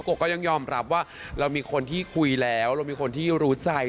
ก็ยังยอมรับว่าเรามีคนที่คุยแล้วเรามีคนที่รู้ใจ